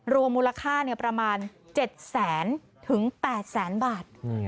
รวมมูลค่าประมาณ๗แสนถึง๘แสนบาท